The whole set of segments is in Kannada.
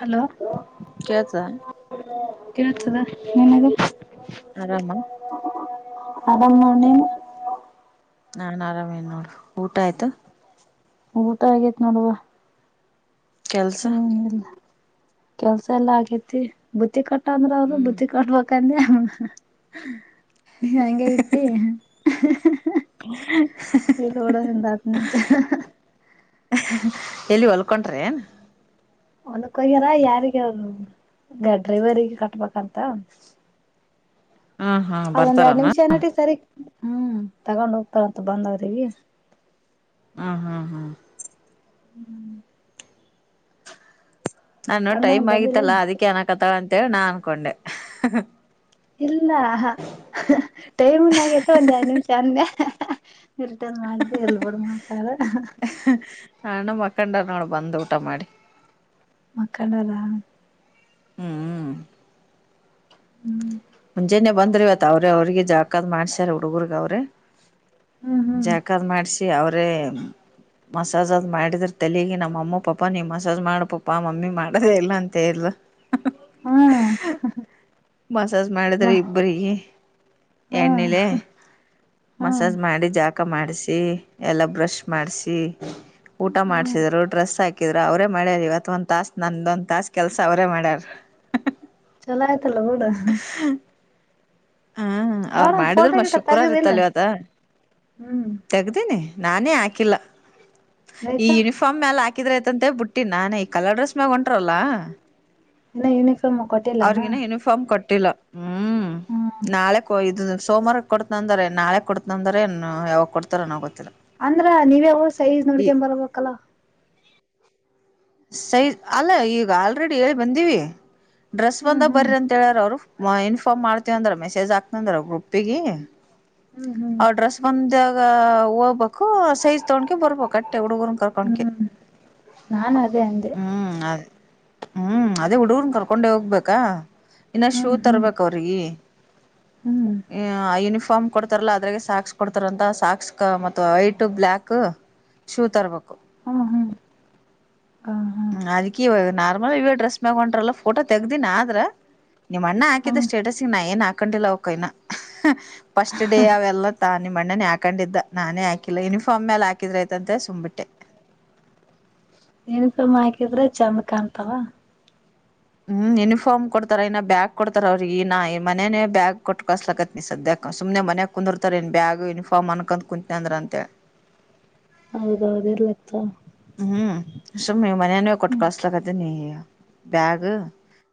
ಹಲೋ ಕೇಳ್ತ ಕೆಲ್ಸಾತದ ಆರಾಮ ಆರಾಮಾನೇ ನಾನ್ ಆರಾಮೇನ್ ನೋಡಿ ಊಟ ಆಯ್ತು ಊಟ ಆಗೇತ್ ನೋಡುವ ಕೆಲ್ಸ ಹ್ಮ ಇಲ್ಲ ಕೆಲ್ಸ ಎಲ್ಲಾ ಆಗೇತಿ ಬುತ್ತಿ ಕಟ್ಟ ಅಂದ್ರ ಅವರು ಬುತ್ತಿ ಕಟ್ಬೇಕ. ಕಂದೆ ಹಂಗೆ ಇಟ್ಟಿ ಎಲ್ಲೋಡಿಂದತ್ನ ಎಲ್ಲಿ ಹೊಲ್ಕ ಹೊಂಟೀರಿ ಏನ್ ಒನಕ್ ಹೋಗ್ಯಾರ ಯಾರಗ ಅವ ಡ್ರೈವರಿಗೆ ಕಟ್ಬೇಕಂತ ಹಾ ಹಾ ಅದೊಂದ್ ಎರಡ್ ಬರ್ತಾರಮ್ಮ ನಿಮಿಷಏ ನಟಿ ಸರಿ ಹ್ಮ್ ತಗೊಂಡ್ ಹೋಗ್ತಾರಂತ ಬಂದವ್ರೀವಿ ಹ್ಮ ಹಾ ಹಾ ಹ್ಮ್ ನಾನು ಟೈಮ್ ಆಗಿತ್ತಲ್ಲಾ ಅದಕ್ಕೆ ಏನ ಕತಾಳ ಅಂತೇಳಿ ನಾ ಅನ್ಕೊಂಡೆ ಇಲ್ಲ ಟೈಮುನ್ ಆಗೇತ ಒಂದ್ ಎರಡ್ ನಿಮಿಷ ಅಂದೆ ಇಲ್ಟನ್ ಮಾಡ್ದ ಎಲ್ ಬಂದ ಮಾಡ್ತಾರೋ ಕಂಡ ನೋಡಿ ಬಂದು ಊಟ ಮಾಡಿ ಮಕ್ಕಂಡರಾ ಹ್ಮ್ ಹ್ಮ. ಮುಂಜಾನೆ ಬಂದ್ರ ಇವತ್ ಅವ್ರೆ ಅವ್ರಿಗೆ ಜಳಕಾದ ಮಾಡ್ಸ್ಯಾರ ಹುಡಗರ್ಗ ಅವ್ರೆ ಹ್ಮ್ ಹ್ಮ್ ಜಾಕಾ ಅದ ಮಾಡ್ಸಿ ಅವ್ರೇ ಮಸಾಜ್ ಆದ್ ಮಾಡಿದ್ರ ತಲಿಗ ನಮ್ಮ ಅಮ್ಮ ಪಾಪ ನೀ ಮಸಾಜ್ ಮಾಡ ಪಪಾ ಮಮ್ಮಿ ಮಾಡದೇ ಇಲ್ಲ ಅಂತ ಹೇಳ ಹ್ಮ. ಮಸಾಜ್ ಮಾಡಿದ್ರ ಇಬ್ರಿಗಿ ಹ್ಮ್ ಎಣ್ಣೆಲೆ ಹ್ಮ್ ಮಸಾಜ್ ಮಾಡಿ ಜಾಕ ಮಾಡಿಸಿ ಎಲ್ಲ ಬ್ರಷ್ ಮಾಡಸಿ ಊಟ ಹ್ಮ್ ಮಾಡಸಿದ್ರು ಡ್ರೆಸ್ ಹಾಕಿ ಇರ ಅವ್ರೇ ಮಾಡ್ಯಾರ ಇವತ್ ಒಂದ ತಾಸ ನಂದೊಂದ ತಾಸ ಕೆಲ್ಸ ಅವರೇ ಮಾಡ್ಯಾರ. ಲೌಡ ಅ ಅವ್ರ ಮಾಡಿದ್ರು ಫೋಟೋ ಮ ಗಿಟ ಶುಕ್ರಾರ ತಗದಿಲ್ಲ ಇತ್ತಲ ಇವತ್ ಹ್ಮ್ ತೆಗದಿನಿ. ನಾನೇ ಆಕಿಲ್ಲ ಈ ರೇಖಾ ಯೂನಿಫಾರ್ಮ್ ಮ್ಯಾಲ ಆಕ ಹಾಕಿದ್ರ ಐತಂತೆೇ ಬಿಟ್ಟಿನಿ ನಾನ ಈ ಕಲರ್ ಡ್ರೆಸ್ ಮ್ಯಾಲ ಹೊಂಟರಲ್ಲಾ. ಇನ್ನ ಯೂನಿಫಾರ್ಮ್ ಕೊಟ್ಟಿಲ್ಲನ. ಹ್ಮ ನಾಳೆ ಕೊಯ ದಾದ ಸೋಮಾರ ಕೊಡ್ತನ ಅಂದರ ನಾಳೆ ಕೊಡ್ತನ ಅಂದರ ಯಾವಾಗ ಕೊಡ್ತಾರ ಏನೋ ಗೋ ಅಂದ್ರ ನೀವ ಹೋ ಸೈಜ್ ನೋಡ್ಕ ಬರ್ಬೇಕಲ್ಲ. ಸೈಜ ಅಲ್ಲ ಈಗ ಆಲ್ರೆಡಿ ಹೇಳಿ ಬಂದೀವಿ ಡ್ರೆಸ್ ಬಂದ ಹ್ಮ್ ಹ್ಮ್ ಬರ್ರ ಅಂತ ಹೇಳಾರ ಅವ್ರು. ಅ ಇನ್ಫಾರ್ಮ್ ಮಾಡ್ತೀವ ಅಂದ್ರ ಮೆಸೇಜ್ ಹಾಕ್ನಂದ್ರ ಗ್ರೂಪ್ಪಿಗಿ ಹ್ಮ್ ಅವ ಹ್ಮ್ ಡ್ರೆಸ್ ಬಂದ ಗ ಹೋಗ್ಬೇಕು ಸೈಜ್ ತಗೊಂಡಕ ಬರ್ಬೇಕ ಅಟ್ಟೆ ಹುಡುಗರ್ನ ಕರ್ಕೊಂಡಕ ಅದೆ ಅಂದೆ. ಹ್ಮ ಅದೇ ಹುಡುಗರನ ಕರ್ಕೊಂಡೆ ಹೋಗ್ಬೇಕ. ಇನ್ನ ಶೂ ಹ್ಮ್ ಹ್ಮ್ ತರ್ಬೇಕ ಅವ್ರಿಗಿ ಹ್ಮ್ ಯೂನಿಫಾರ್ಮ್ ಫರ್ಮ್ ಕೊಡ್ತಾರಲ್ಲಾ ಅದ್ರಗೆ ಸಾಕ್ಸ್ ಕೊಡ್ತಾರಂತ ಸಾಕ್ಸ್ ಕ ಮತ್ತ್ ವೈಟ್ ಬ್ಲಾಕ್ ಶೂ ತರ್ಬೇಕ. ಹ್ಮ ಹ್ಮ. ಹ್ಮ ಅದಿಕೆ ಇವ ನಾರ್ಮಲ್ ಇವೇ ಡ್ರೆಸ್ ಮ್ಯಗ ಹೊಂಟ್ರಲ್ಲ ಫೋಟೋ ತೆಗ್ದಿನ ಆದ್ರ ನಿಮ್ಮ ಅಣ್ಣ ಹ್ಮ್ ಹಾಕಿದ ಸ್ಟೇಟಸ್ಗ ನಾ ಏನ್ ಹಾಕೊಂಡಿಲ್ಲ ಅವಕ ಇನ್ ಫಸ್ಟ್ ಡೇ ಅವೆಲ್ಲ ತಾನ ನಿಮ್ಮ ಅಣ್ಣನೇ ಹಾಕೊಂಡಿದ್ದ ನಾನೇ ಹಾಕಿಲ್ಲ ಯುನಿಫಾರ್ಮ್ ಮೇಲೆ ಹಾಕಿದ್ರ ಆಯತ್ತಂತ ಸುಂಬಿಟ್ಟೆ. [inaudible] ನೇನಪಮ್ಮ ಹಾಕಿದ್ರ ಚಂದ ಕಾಣತವ. ಹ್ಮ್ ಯೂನಿಫಾರ್ಮ್ ಕೊಡ್ತಾರ ಇನ್ನ ಬ್ಯಾಗ್ ಕೊಡ್ತಾರ ಅವ್ರಿಗಿ ಈ ನ ಮನೆೇನ ಬ್ಯಾಗ್ ಕೊಟ್ಕಸ್ಲಕತ್ ನೀ ಸದ್ಯ ಸುಮನೆ ಮನ್ಯಾಗ ಕುಂದಿರ್ತಾರ ಇನ್ ಬ್ಯಾಗ್ ಯುನಿಫಾರ್ಮ್ ಅನ್ಕೊಂಡ ಕುಂತನ ಅಂದ್ರ ಅಂತ ಹೇಳಿ ಹೌದದ ಇರ್ಲಿ ಅತ್ತ ಹ್ಮ ಸುಮ್ಮ ಮಾನ್ಯನುವೆ ಕೊಟ್ಟ ಕಳಸ್ಲಕತೀನ ಬ್ಯಾಗ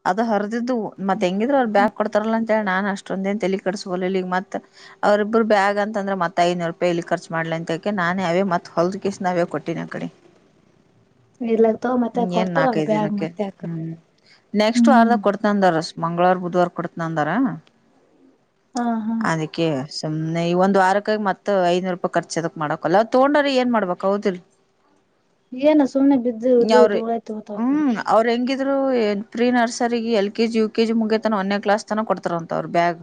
ಅದ ಹರದಿದ್ದು ಮತ್ ಹೆಂಗಿದ್ರು ಅವ್ರ ಬ್ಯಾಗ್ ಕೊಡ್ತಾರಲ್ಲ ಅಂತ ಹೇಳಿ ನಾನ್ ಅಷ್ಟೊಂದ ಏನ್ ತಲಿ ಕೆಡಸಕೋಲಿಲ್ಲ ಈಗ ಮತ್ತ ಅವ್ರರಿಬ್ರು ಬ್ಯಾಗ್ ಅಂತ ಅಂದ್ರ ಮತ್ತ ಐದನೂರಪಾಯಿ ಇಲ್ಲಿ ಖರ್ಚ ಮಾಡ್ಲ ಅಂತಕ ನಾನೇ ಅವೇ ಮತ್ ಹೊಲ್ದ ಕಿಸಿಂದ ಅವೇ ಕೊಟ್ಟಿನಿ ಆಕಡೆ ಇರ್ಲಕ್ತವ ಮತ್ತೆ ಹ್ಮ್ ಏನ್ ಕೊಡ್ತಾರಲ್ಲ ನಾಕೈದು ಬ್ಯಾಗ್ ದಿನಕ್ಕೆ ಮತ್ತೆ ಅಕ ಹ್ಮ್ ನೆಕ್ಸ್ಟ್ ಹ್ಮ್ ವರ್ದಾಗ ಕೊಡ್ತಂದಾರಷ್ಟ. ಮಂಗಳವಾರ ಬುಧವಾರ ಕೊಡತ್ನಂದಾರ. ಹಾ. ಹಾ ಅದಿಕ್ಕೆ ಸುಮ್ನೆ ಈ ಒಂದ ವಾರಕ್ಕ ಮತ್ತ ಐನೂರ ಪಾಯಿ ಖರ್ಚ ಅದಕ್ ಮಾಡಕಲ್ಲ ಅ ತಗೊಂಡರೆ ಏನ್ ಮಾಡ್ಬೇಕ. ಹೊತ್ತಿಲ್ ಏನ ಸುಮ್ನೆ ಬಿದ್ದು ಇದು ದುಳಾ ತುಂಬತಾವ ಕಡೆ ರು ಪ್ರೀ ನರ್ಸರಿಗಿ ಎಲ್ ಕೆಜಿ ಯು ಕೆಜಿ ಮುಗೆತನ ಒನ್ನೇ ಕ್ಲಾಸ್ ತನ ಕೊಡ್ತಾರ ಅಂತ ಅವ್ರ ಬ್ಯಾಗ್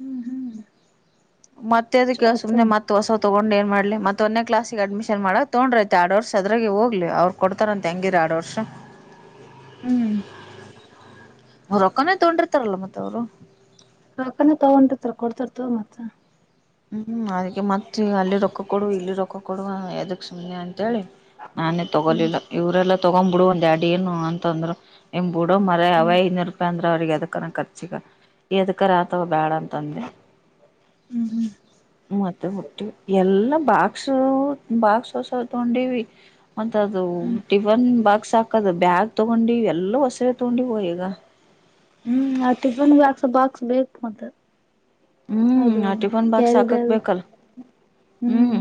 ಹ್ಮ್ ಹ್ಮ್ ಮತ್ತೆ ಅದಕ್ಕ ಚತ ಸುಮ್ನೆ ಮತ್ತ ಹೊಸ ತಗೊಂಡ ನ್ ಮಾಡ್ಲಿ ಮತ್ತ ಒನ್ನೇ ಕ್ಲಾಸಗ ಅಡ್ಮಿಷನ್ ಮಾಡಗ ತುಗೊಂಡ್ರ ಆಯ್ತ ಯಾಡ ವರ್ಷ ಅದ್ರಾಗ ಹೋಗ್ಲಿ ಅವ್ರ ಕೊಡ್ತಾರ ಅಂತ ಹೆಂಗಿರ ಯಾಡ್ ವರ್ಷ. [inaudible] ಹ್ಮ. ರೊಕ್ಕನೇ ತುಗೊಂಡಿರ್ತಾರಲ್ಲ ಮತ್ತ ಅವರು ರೋಕಾನ ತಗೊಂಡಿರ್ತ ಕೊಡ್ತಾರತ ಮತ್ತ. ಹ್ಮ್ ಅದಕ್ಕೆ ಮತ್ತ ಅಲ್ಲಿ ರೊಕ್ಕ ಕೊಡುವ ಇಲ್ಲಿ ರೊಕ್ಕ ಕೊಡುವ ಯದಕ್ ಸುಮ್ನೆ ಅಂತೇಳಿ. ನಾನೇ ಹ್ಮ್ ತೊಗೋಲಿಲ್ಲ ಇವರೆಲ್ಲ. ತಗೊ್ಬ ಬಿಡು ಒಂದ್ ಅಡ ಏನು ಅಂತಂದ್ರ ಎಂಬ್ ಬಿಡು ಮರ ಹ್ಮ್ ಅವೈ ಐನೂರು ರೂಪಾಯಿ ಅಂದ್ರ ಅವ್ರಿಗೆ ಅದಕ್ಕನ ಖರ್ಚಗ. ಎದಕರ ಆತಾವ ಬ್ಯಾಡ ಅಂತಂದೆ. ಹ್ಮ್ ಹ್ಮ್ ಮತ್ತ ಹುಟ್ಟ ಎಲ್ಲಾ ಬಾಕ್ಸ್ ಬಾಕ್ಸ್ ಹೊಸ ತಗೊಂಡ್ವಿ ಅಂಥಾ. ಅದು ಹ್ಮ್ ಟಿಫನ್ ಬಾಕ್ಸ್ ಹಾಕದು ಬ್ಯಾಗ್ ತೊಗೊಂಡಿವ ಎಲ್ಲ ಹೊಸದು ತಗೊಂದಿವಿ ಈಗ. ಹ್ಮ್ ಆ ಟಿಫನ್ ಬಾಕ್ಸ ಬಾಕ್ಸ್ ಬೇಕು ಮತ್ತ. ಹೌದು ಹ್ಮ್ ಆ ಟಿಫನ್ ಬಾಕ್ಸ್ ಕ್ಯಾರಿ ಹಾಕಾಕೆ ಬ್ಯಾಗ್ ಬೇಕಲ್ಲ. ಹ್ಮ್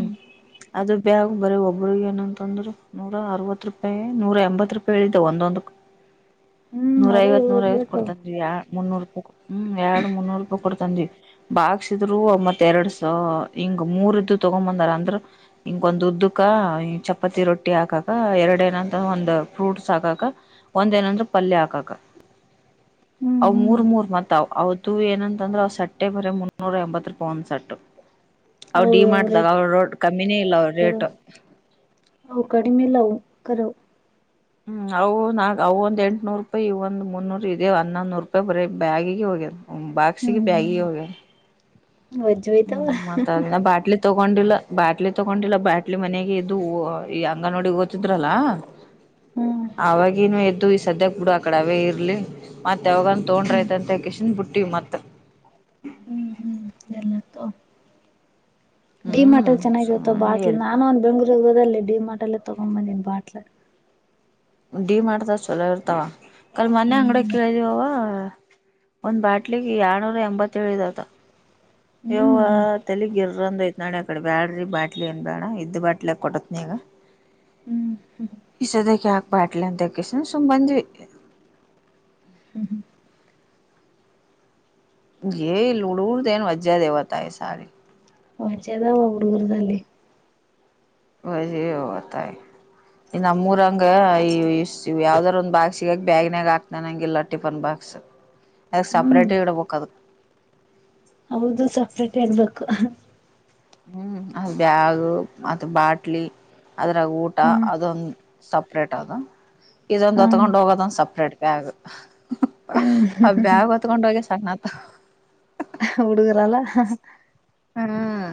ಅದು ಬ. ಬರೇ ಒಬ್ಬ್ರಗ ಏನಂತಂದ್ರರು ನೂರ ಅರವತ್ ರೂಪಾಯಿ ನೂರ ಎಂಬತ್ ರೂಪಾಯಿ ಹೇಳಿದೆ ಒಂದೊಂದಕ್. ಹಾ. ಹ್ಮ್ ನೂರ ಅದ ಐವತ್ ಇವ ನೂರ ಐವತ್ತು ರೇಟು ಕೊಡ್ತನ್ಿ ಎ ಮುನ್ನೂರುೂಪಾಯಿ ಹ್ಮ್ ಎರಡು ಮುನ್ನೂರು ರೂಪಾಯಿ ಕೊಡ್ತನ. ಬಾಗಸಿದ್ರು ಮತ್ ಎರಡ್ಸ ಹಿಂಗ ಮೂರ್. ಉದ ತಗೊ್ ಬಂದಾರ ಅಂದ್ರ ಹಿಂಗ ಒಂದ ಉದ್ದಕ್ಕ ಚಪಾತಿ ರೊಟ್ಟಿ ಹಾಕಕ ಎರಡ ಏನಂತ ಒಂದ ಫ್ರೂಟ್ಸ್ ಹಾಕಕ ಒಂದ ಏನಂದ್ರೆ ಪಲ್ಯ ಹಾಕಕ. ಅ್ ಮೂರ್ ಮೂರ್ ಮತ್ ಅವ ಅವತ್ತು ಏನಂತಂದ್ರ ಅವ್ ತ ಟ್ಟೆ ಬರೀ ಮುನ್ನೂರ ಎಂಬತ್ತು ರೂಪಾಯಿ ಒಂದ್ ಸಟ್ಟು. ಅವ ಡಿ ಹೌದವು ಮಾಡ್ದಾಗ ರೇಟ್ ಅವರು ರ ಕಮ್ಮಿನೇ ಇಲ್ಲ ಅವ್ರ ಅದಾವ ರೇಟ್. [unintelligible] ಹ್ಮ ಅವು ನಾಗ ಅವು ಒಂದ ಎಂಟಟ್ನೂರು ರೂಪಾಯಿ ಇ ಒಂದ ಮುನ್ನೂರು ಇದೆ ಹನ್ನ ನೂರು ರೂಪಾಯಿ ಬರೀ ಬ್ಯಾಗಿಗಿಗೆ ಹೋಗ್ಯದ. ಬಕ್ಸಗೆ ಹ್ಮ್ ಬ್ಯಾಗಿಗೆ ಹೋಗ. ವಜ್ಜೋಯ್ತಾವ ಹ್ಮ್ ಮತ್ ಅದನ್ನ ಬಾಟ್ಲಿ ತಗೊಂಡಿಲ್ಲ. ಬ್ಯಾಟ್ಲಿ ತಗೊಂಡಿಲ್ಲ ಬ್ಯಾಟ್ಲಿ ಮನೆಗೆ ಇದು ಈ ಅಂಗ ನೋಡಿ ಓತಿದ್ರಲ್ಲ. ಹ್ಮ್ ಅವಾಗೇನು ಇರ್ಬೇಕು. ಸದ್ಯಕ್ ಬಿಡು ಆ ಕಡ ಅವೇ ಇರ್ಲಿ ಮತ್ ಯಾವಾಗನ್ ತೋೊಂಡ್ರೈತ್ಂತ ಕಶನ್ ಬಿಟ್ಟಿವ ಮತ್. ಹ್ಮ್ ಹ್ಮ್. ಎಲ್ಲತ ಡಿ ಹ್ಮ್ ಮಾರ್ಟಲ್ ಚೆನ್ನಾಗಿರುತ್ತೆ ಸುಮ್ಮನೆ ಬಾಟ್ಲ್ ಎಲ್ಲಿ ನಾನುಂದ ಬೆಂಗ್ೂರಿಗೆ ಹೋದ ಅ ಡಿ ಮಾರ್ಟ್. ಬಟಲ್ಲ ತೊಗೊಂಬಂದನ್ ಬಾಟ್ಲ. ಡಿ ಮಾರ್ಟಅಲ್ಲೇ ಚಲೋ ಇರ್ತಾವ ಅಲ್ಲೆ ಮನೆ ಅಂಗಿಡಿಗೆ ಹ್ಮ್ ಕೇಳಿದೀವವ. ಒಂದ್ ಬಾಟ್ಲಿಗೆ ಯರ್ನೂರ ಎಂಬತ್ತೇಳುದ. ಯಯ್ ಹ್ಮ್ ತಲಗಿರಂದ ಐತ್ ನಾಳೆ ಆ ಕಡೆ ಬ್ಯಾಡ್ರಿ ಬಾಟ್ಲಿ ಏನ್ ಬೇಡ ಇದ್ದ್ ಬಾಟ್ಲ್ ಕೊಟ್ಟತ್ ನೀಗ. ಹ್ಮ್ [unintelligible] ಇ ಸದಕ್ಕೆ ಹಾಕ್ಬಾಟ್ಲಿ ಅಂತಕಿಸ ಸುಂಬಧ. ಯ ಲೂಡೂದೆನು ವಜ್ಜಾದೇವತಾಯ ಸಾರ. ಒಚೆದಾವ ಉಡುಗರು [unintelligible] ವಜ ಅತಾಯ. ಇ ನಮ್ಮೂರಂಗ ಈ ಯಾವದಾರ ಒಂದ್ ಬಾಗ್ ಸಿಗಕ ಬೇಾಗನ್ಯಾಗ ಹಾಕ್ತನಂಗ ಇಿಲ್ಲ ಟಿಫನ್ ಬಾಗ. ಅ ಹ್ಮ್ ಸೆಪರೇಟ್ ಇಡ್ಬೇಕು ಅದು. ಹೌದು ಸಪ್ರೇಟ್ ಆಗ್ಬೇಕು. ಹ್ಮ್ ಅದು ಬ್ಯಾಗ್ ಅದು ಬಾಟ್ಲಿ. ಅದ್ರಾಗ ಊಟ ಹ ಅದೊಂದು ಸಪ್ರೇಟ್ ಅದು ಇೊ ಒಂದು ಹ ದೊತ್ತಕೊಂಡು ಹೋಗೋದ ಸಪ್ರೇಟ್ ಬ್ಯಾಗ್. ಹ್ಮ್ ಆ ಬ್ಯಾಗ್ ಹೊತ್ಕೊಂಡ ಹೋಗಿ ಸಾಕನಾತ. ಉಡುಗರಲ್ಲ. ಹ್ಮ್.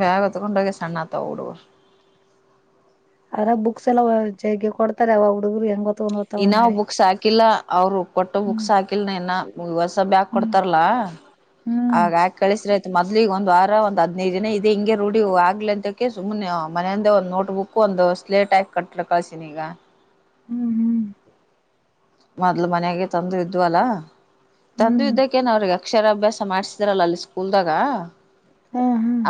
ಬ್ಯಾಗ್ ಹೊತ್ತಕೊಂಡೋಗ ಸಣ್ಣಅತ್ವ ಹುಡುಗುರು. ಅರ ಬುಕ್ಸ್ ಎಲ್ಲಾ ಜ ಕೊಡ್ತಾರೆ ಅವ ಹುಡುಗರು ಹೆಂಗ. ತಗೊಂಡ್ ಹೋಗ್ತಾವ ಇನ್ನ್ ನೋಡಿ ಬುಕ್ಸ್ ಹಾಕಿಲ್ಲ ಅವ್ರು ಕೊಟ್ಟ ಹ್ಮ್ ಬುಕ್ಸ್ ಹಾಕಿಲ್ಲನ ಇನ. ಬ್ಯಾಗ್ ಹ್ಮ್ ಕೊಡ್ತಾರಲಾ ಹ್ಮ್ ಆಗ ಹಾಕ್ ಕಳ್ಸ್ರಿ ಮೊದ್ಲಿಗ್ ಒಂದ್ ವಾರ ಒಂದ್ ಹದ್ನೈದು ದಿನ ಇದೇ ಹಿಂಗೆ ರೂಢಿ ಆಗ್ಲಿ ಅಂತಕೆ ಸುಮ್ಮನೆ ಮನೆಯಿಂದ ಒಂದ್ ನೋಟ್ ಬುಕ್ ಒಂದು ಸ್ಲೇಟ್ ಹಾಕ್ ಕಟ್ಟ್ರೆ ಕಳ್ಸಿನಿ ಈಗ ಹ್ಮ್ ಹ್ಮ್ ಮೊದ್ಲು ಮನೆಗೆ ತಂದು ಇದ್ವ ಅಲ್ಲ ಹ್ಮ್ ತಂದು ಹ್ಮ್ ಇದ್ದಕ್ಕೇನ್ ಅವ್ರಿಗೆ ಅಕ್ಷರ ಅಭ್ಯಾಸ ಮಾಡ್ಸಿದ್ರಲ್ಲ ಅಲ್ ಸ್ಕೂಲ್ದಾಗ ಹ್ಮ್ ಹ್ಮ್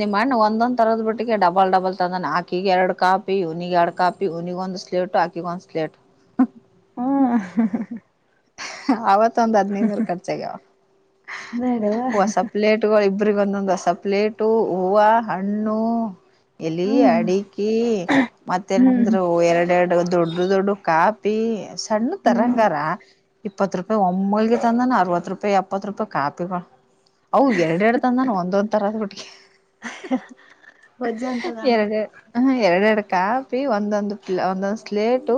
ನಿಮಣ್ಣ ಒಂದೊಂದ್ ತರದ ಬಿಟ್ಟಿಗೆ ಡಬಲ್ ಡಬಲ್ ತಂದೆ ಆಕಿಗ್ ಎರಡ್ ಕಾಪಿನಿಗೆ ಎರಡ್ ಕಾಪಿ ಯುನಿಗ್ ಒಂದ್ ಸ್ಲಟ್ಟು ಅಕಿಗೆ ಒಂದ್ ಸ್ಲಟು ಹುಂ ಹಾ ಹಾ ಅವತ್ ಒಂದ್ ಹದ್ನೈನೂರು ಖರ್ಚಾಗಾವ ನಡವಾ ಹೊಸ ಪ್ಲೇಟು ಇಬ್ಬರಿಗ್ ಒಂದೊಂದ್ ಹೊಸ ಪ್ಲೇಟು ಹೂವು ಹಣ್ಣು ಎಲ್ಲಿ ಹ್ಮ್ ಅಡಿಕಿ ಹ್ಮ್ ಮತ್ತೇನಂದ್ರು ಎರಡೆರಡು ದೊಡ್ಡ ದೊಡ್ಡ ಕಾಪ್ ಪಿ ಸಣ್ ಹ್ಮ್ ತರಂಗಾರ ಇಪ್ಪತ್ತು ರೂಪಾಯಿ ಒಮ್ಮಳಿಗೆ ತಂದಾನ ಅರವತ್ತು ರೂಪಾಯಿ ಎಪ್ಪತ್ತು ರೂಪಾಯಿ ಕಾಪಿಗಳು ಅವು ಎರಡೆ ಎರಡು ತಂದಾನು ಒಂದೊಂದ್ ತರದ್ ಬುಟ್ಟಿ ವಜ್ಜೆ ಅಂತದ ಅಣ್ಣ ಎರಡ್ ಹ ಎರಡ್ ಕಾಪ್ ಪಿ ಒಂದೊಂದು ಒಂದೊಂದ್ ಸ್ಲೇಟ್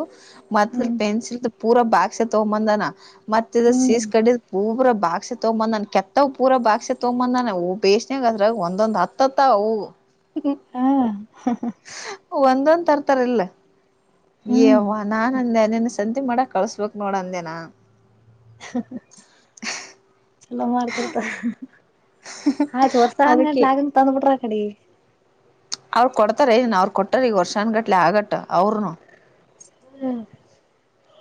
ಮತ್ತ ಹ್ಮ್ ಪೆನ್ಸಿಲ್ ಪೂರ ಬಾಕ್ಸ್ ತಗೊಂಬಂದನ ಮತ್ತ ಇದ ಹ್ಮ್ ಸೀಸ ಕಡಿದ ಪೂರ ಬಾ ಬಾಕ್ಸೆ ತಗೊಂದ್ ಬಂದನಾ ಕೆತ್ತ ಪೂರ ಬಾಕ್ಸೆ ತಗೊಂಬಂದನ ಹೂ ಬೇಸನ ಅದ್ರಾಗ ಒಂದೊಂದ್ ಹತ್ತ್ತವು ಹಾಂ ಹಾ ಹಾ ಒಂದೊಂದ್ ತರ್ತಾರ ಇಲ್ಲೆ ಹ್ಮ್ ಎಯ್ವ್ವ ನಾನ ಅಂದೆ ನಿನ್ನು ಸಂತೆ ಮಾಡಕ್ ಕಳ್ಸ್ಬೇಕ್ ನೋಡಂದೇನಾ ಚಲೋ ಮಾಡ್ತಿರ್ತಾರೆ ಅದಕ್ಕೆ [unintelligible] ಬಿಟ್ರ ಅಕಡೆ ಅವರು ಕೊಡ್ತಾರ ಏನ್ ಅವ್ರು ಕೊಟ್ಟಾರ್ ಈಗ ವರ್ಷ ಅನ್ಗಟ್ಲೆ ಆಗಟ್ ಅವರುನು ಹ್ಮ್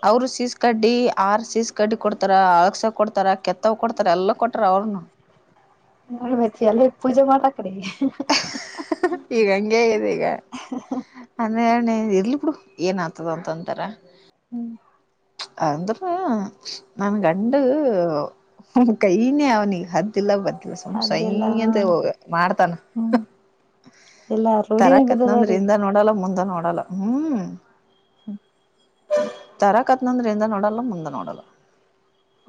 ಅವರು ಸೀಸ ಕಡ್ಡಿ ಆರ್ ಸೀಸ ಕಡ್ಡಿ ಕೊಡ್ತಾರ ಅಳ್ಸ ಕೊಡ್ತಾರ ಕೆತ್ತವ್ ಕೊಡ್ತಾರ ಯಲ್ಲ ಕೊಟ್ಟ ಅವ್ರುನು [unintelligible] ಅಲ್ಲಿ ಪೂಜೆ ಮಾಡಕ್ ಈಗ ಹಂಗೆ ಇದೆ ಈಗ ಅಂದ್ ಇರ್ಲಿ ಬಿಡು ಏನ್ ಆತದ ಅಂತ ಅಂತಾರ ಅಂದ್ರ ನನ್ ಗಂಡ್ ಕೈನೇ ಅವ್ನಿಗೆ ಹದ್ದಿಲ್ಲ ಬತ್ [unintelligible] ಸುಮ್ನ್ ಸೈ ಅದೆಲ್ಲ ಅಂತ ಹೋಗ ಮಾಡ್ತಾನ ಹ್ಮ್ ಎಲ್ಲಾ ರೂಢಿನ ತರಕತ್ ನಂದ್ರ ಬಿದ್ದದವ್ರೀ ಇಂದ ನೋಡಲ್ಲ ಮುಂದ ನೋಡಲ್ಲ ಹ್ಮ್ [inaudible] ತರಾಕತ್ನಂದ್ರೆ ಇಂದೆ ನೋಡಲ್ಲ ಮುಂದೆ ನೋಡಲ್ಲ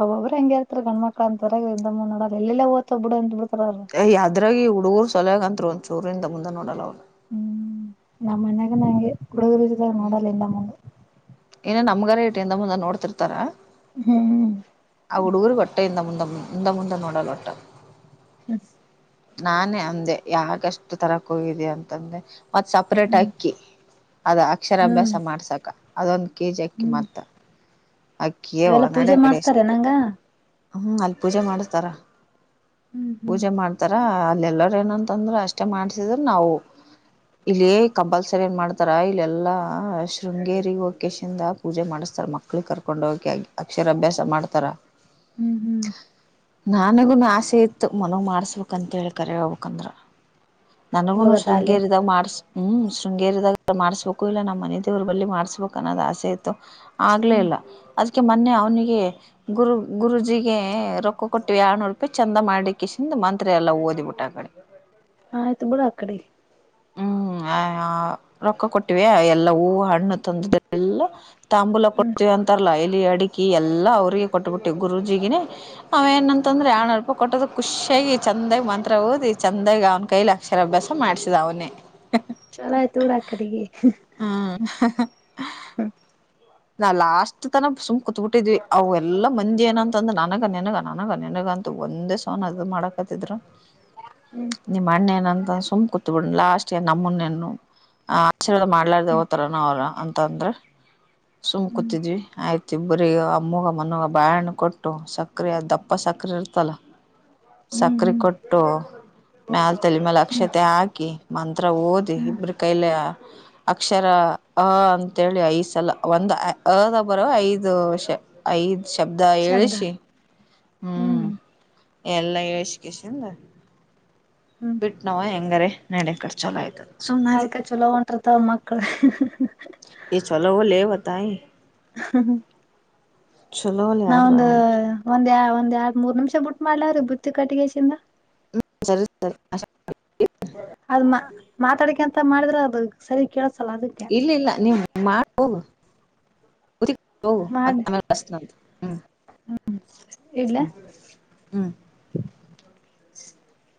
ಒಬ್ಬಬ್ರು ಹೆಂಗ ಇರ್ತಾರೆ ಗಂಡ್ ಮಕ್ಳ ಅಂತರಮ್ಮ ನೋಡಲ್ಲ ಎಲ್ಲ ಎಲ್ಲ್ ಹೋತವ ಬುಡು ಅಂತ [unintelligible] ಅ ಹದ್ರಾಗಿ ಹುಡುಗೂರು ಸಲಗ ಅಂತ್ರು ಒಂದಚೂರು ಹಿಂದೆ ಮುಂದೆ ನೋಡಲ್ಲ ಅವರು ಹ್ಮ್ ನಮ್ಮನ್ಯಾಗ ನಂಗೆ ಹುಡುಗರು ಜಿದಾಗ ಹ್ಮ್ ನೋಡಲ್ಲ ಇಲ್ಲಮ್ಮಗ ಏನ ನಮ್ಗಾರ ಇಟ್ ಮುಂದ ನೋಡ್ತಿರ್ತಾರ ಹ್ಮ್ ಆ ಹುಡುಗರು ಗಟ್ಟ ಇಿಂದ ಮುಂದೆ ಮುಂದ ಮುಂದ ನೋಡಲ್ೋಟ [inaudible] ನಾನೇ ಅಂದೆ ಯಾಗಷ್ಟು ತರಕ್ ಹೋಗಿದ್ದಿಯ ಅಂತಂದೆ ಮತ್ತು ಸಪ್ರೇಟ್ ಅಕ್ಕಿ ಅದು ಅಕ್ಷರಾಭ್ಯಾಸ ಹ್ಮ್ ಮಾಡ್ಸಕ ಅದೊಂದು ಕೆಜಿ ಅಕ್ಕಿ ಹ್ಮ್ ಮತ್ತ ಅಕ್ಕಿಯವ ಅವೆಲ್ಲ ನಡೆ ಪೂಜೆ ಕಡೆ ಎಷ್ಟ ಮಾಡ್ತಾರೆ ನಂಗ ಹ್ಮ್ ಅಲ್ ಪೂಜೆ ಮಾಡಸ್ತಾರ ಹ್ಮ್ ಹ್ಮ್ ಪೂಜೆ ಮಾಡ್ತಾರ ಅಲ್ಲೆಲ್ಲಾರ್ ಏನಂತಂದ್ರೆ ಅಷ್ಟೆ ಮಾಡ್ಸಿದ್ರ ನಾವು ಇಲ್ಲಿ ಕಂಪಲ್ಸರಿ ಮಾಡ್ತಾರ ಇಲ್ ಎಲ್ಲಾ ಶೃಂಗೇರಿ ವಕೇಶಿಂದ ಪೂಜೆ ಮಾಡಸ್ ಸರ್ ಮಕ್ಳಿಗೆ ಕರ್ಕೊಂಡ್ ಹೋಗಕಿ ಅಕ್ಷರಾಭ್ಯಾಸ ಮಾಡ್ತಾರ ಹ್ಮ್ ನನ್ಗೂನು ಆಸೆ ಇತ್ತು ಮನವ ಮಾಡ್ಸ್ಬೇಕಕ್ಂತೇಳಿ ಕರಿ ಹೋಗ್ಬೇಕಕ್ಂದ್ರ ನನಗುನು ಹೋಗತ್ತ ಅಲ್ಲ ಶೃಂಗೇರಿದಾಗ ಮಾಡ್ಸ ಹ್ಮ್ ಶೃಂಗೇರದಾಗ ಮಾಡ್ಸ್ಬೇಕು ಇಲ್ಲ ನಮ್ಮ ಮನೆ ದೇವ್ರ ಬಳಿ ಮಾಡ್ಸ್ಬೇಕು ಅನ್ನೋ್ ಆಸೆ ಇತ್ತು ಆಗ್ಲೇ ಇಲ್ಲ ಅದಕ್ಕೆ ಮೊನ್ನೆ ಅವ್ನಿಗೆ ಗುರು ಗುರುಜಿಗೆ ರೊಕ್ಕ ಕೊಟ್ಟು ವ ನಪೆ ಚಂದ ಮಾಡಿ ಕೃಷ್ಣ ಒಿಂದ ಮಂತ್ರಿ ಎಲ್ಲ ಓದಿಬಿಟ್ಟ ಆ ಕಡೆ ಆ ಆಯ್ತು ಬಿೂಡ ಅ ಕಡಿ ಹ್ಮ್ ಆ ರೊಕ್ಕ ಕೊಟ್ಟಿವ ಎಲ್ಲಾ ಹೂವು ಹಣ್ಣು ತಂದ ಎಲ್ಲ ತಾಂಬೂಲ ಹ್ಮ್ ಕೊಡ್ತೀವಿ ಅಂತಾರಲ್ಲಾ ಇಲಿ ಅಡಿಕೆ ಎಲ್ಲಾ ಅವ್ರಿಗೆ ಕೊಟ್ಬಿಟ್ಟೆ ಗುರೂಜಿಗೇ ಅವೇಏನಂತಂದ್ರ ಆ ಹೂಪ ಕೊಟ್ಟದ ಖುಷಿಯಾಗಿ ಚಂದಾಗಿ ಮಂತ್ರ ಓದಿ ಚಂದಾಗಿ ಅವ್ನ ಕೈಲಿ ಅಕ್ಷರ ಅಭ್ಯಾಸ ಮಾಡ್ಸಿದ ಅವನೇ ಚಲ ಆಯ್ತು ಡ ಅ ಕಡೆಿಗೆ ಹಾ ಹ್ಮ ನಾ ಲಾಸ್ಟ್ ತನ ಸುಮ್ ಕುೂತ್ಬಿಟ್ಟಿದ್ವಿ ಅವ ಎಲ್ಲ ಮಂದಿ ಏನಂತಂದ ನನಗ ನನಗ ನನಗ ನನ್ನಗ ಂತ ಒಂದೇ ಸನ ಅದು ಮಾಡಕತಿದ್ರ ನಿಮ್ಮ್ ಅಣ್ಣೇ ಏನಂತ ಸುಮ್ ಕುೂತ್ಬಿಡ ಲಾಸ್ ನಮ್ಮನ್ನೆನ್ನು ಆ ಆಶೀರ್ವಾದ ಮಾಡ್ಲಾರ್ದವತರನ ಅವ್ರ ಅಂತಂದ್ರ ಸುಮ್ ಕತಿದ್ವಿ ಆಯ್ತು ಇಬ್ಬ್ರಗ ಅಮ್ಮಗ ಮನಗ ಬಾಹಣ್ಣ ಕೊಟ್ಟು ಸಕರೆ ದಪ್ಪ ಸಕ್ರ ಸಕರೆ ಇರ್ತಲ್ಲ ಹ್ಮ್ ಸಕ್ಕರೆೆ ಹ್ಮ್ ಕೊಟ್ಟು ಮ್ಯಾಲ ತಲೆ ಮ್ಯಾಲ ಅಕ್ಷತೆ ಹಾಕಿ ಮಂತ್ರ ಓದಿ ಇಬ್ರ ಕೈಲೆ ಅಕ್ಷರ ಹ ಅಂತೇಳಿ ಐದ್ ಸಲ ಒಂದ ಅದ ಬರ ಐದು ವರ್ಷ ಐದ್ ಶಬ್ದ ಶಬ್ದ ಹೇಳಳ್ಸಿ ಹ್ಮ್ ಏನ್ಲ ಎಜುಕಷನ್ಲ್ಲ ಹ್ಮ್ ಬಿಟ್ಟ ನವ ಹೆಂಗಾರೆ ನೆಡೆ ಕರ್ಚೋಲ ಆಯ್ತದೆ ಅದಕ ಚಲೋ ಹೊಂಟರ್ತಾವ ಮಕ್ಕಳ ದಾಯ ಹ್ಮ ಹ್ಮ ನಾವ ಯಾರ್ ಒಂದ ಬೇಡ ಅಂದ್ರ ಒಂದ್ ಒಂದ್ ಯರ್ದ ಮೂರ್ ನಿಮಿಷ ಬಿಟ್ ಮಾಡ್ಲವ್ರೀ ಬುತ್ತಿ ಕಟ್ಟಿಗೆಸಿಂದ ಹ ಸರಿ ಸರಿಷ್ಟ ಅದ್ ಮಾ ಮಾತಾಡಿಕ ಅಂತ ಮಾಡಿದ್ರೆ ಅದು ಸರಿ ಕೇಳ ಇಲ್ಲ ಇಲ್ಲ ನೀವು ಮಾಡ ಹೋಗತ್ತ ಮಾಡಿ ಆೇಷ್ಟ ಹ್ಮ್ ಇಡ್ಲ ಹ್ಮ ಹ್ಮ್ [inaudible]